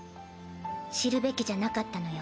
知るべきじゃなかったのよ。